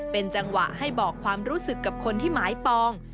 เป็นจังหวะให้บอกความรู้สึกกับคนที่หมายปอง